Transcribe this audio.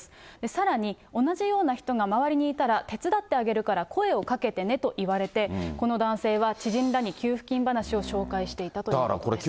さらに、同じような人が周りにいたら、手伝ってあげるから声をかけてねと言われて、この男性は知人らに給付金話を紹介していたということです。